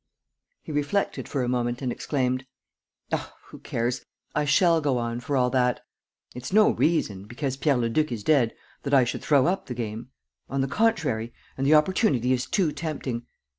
..." He reflected for a moment and exclaimed: "Oh, who cares? I shall go on for all that. It's no reason, because Pierre Leduc is dead, that I should throw up the game. On the contrary! And the opportunity is too tempting!